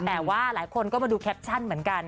แต่ว่าหลายคนก็มาดูแคปชั่นเหมือนกัน